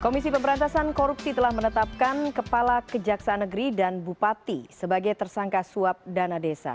komisi pemberantasan korupsi telah menetapkan kepala kejaksaan negeri dan bupati sebagai tersangka suap dana desa